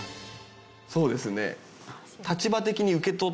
そうですね。